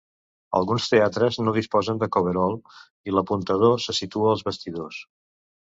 Alguns teatres no disposen de coverol i l'apuntador se situa als bastidors.